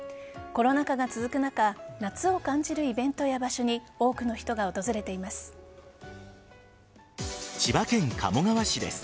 コロナ禍が続く中夏を感じるイベントや場所に多くの人が訪れています。